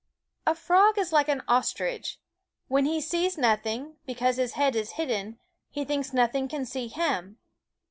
A frog is like an ostrich. When he sees nothing, because his head is hidden, he thinks nothing can see him.